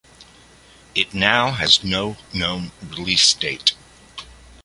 It now has no known release date.